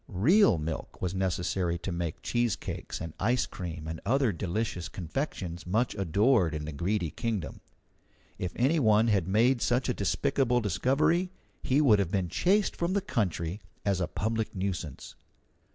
Real milk was necessary to make cheesecakes and ice cream and other delicious confections much adored in the Greedy Kingdom. If any one had made such a despicable discovery, he would have been chased from the country as a public nuisance.